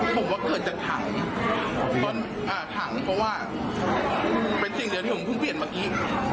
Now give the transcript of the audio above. ผมว่าเกิดจากถังต้นถังเพราะว่าเป็นสิ่งเดียวที่ผมเพิ่งเปลี่ยนเมื่อกี้